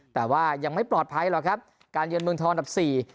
แต่ว่ายังไม่ปลอดภัยหรอกครับการเยือนเมืองทองอันดับสี่